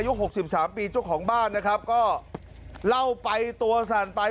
หกสิบสามปีเจ้าของบ้านนะครับก็เล่าไปตัวสั่นไป